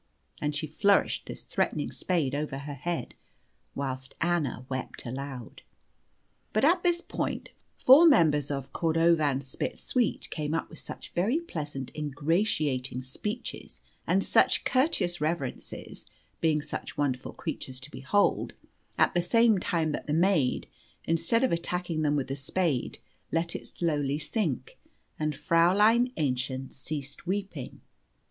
And she flourished this threatening spade over her head, whilst Anna wept aloud. But at this point, four members of Cordovanspitz's suite came up with such very pleasant ingratiating speeches and such courteous reverences, being such wonderful creatures to behold, at the same time that the maid, instead of attacking them with the spade, let it slowly sink, and Fräulein Aennchen ceased weeping.